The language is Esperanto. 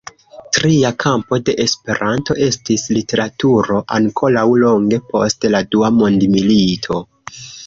Tria kampo de "Esperanto" estis literaturo, ankoraŭ longe post la dua mondmilito.